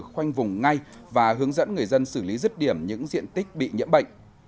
khoanh vùng ngay và hướng dẫn người dân xử lý rứt điểm những diện tích bị nhiễm bệnh